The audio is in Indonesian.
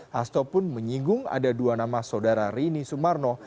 hasto pun menyinggung ada dua nama saudara rini sumarno